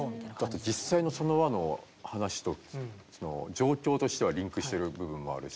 だって実際のその話の話と状況としてはリンクしてる部分もあるし。